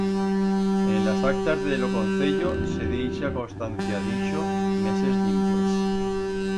En las actas de lo Concello se deixa constancia d'ixo meses dimpués.